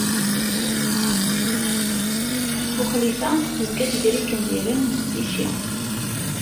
Buxlifa tezga-d gar Ikendiren d Ticci.